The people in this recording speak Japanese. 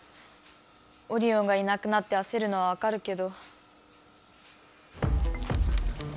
オリオンがいなくなってあせるのはわかるけど。